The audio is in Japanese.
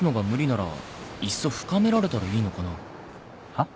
はっ？